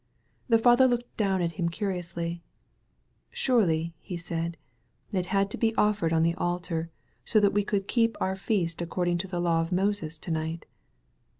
The father looked down at him. curiously. "Surely," he said, "it had to be offered on the altar, so that we can keep our feast according to the law of Moses to night."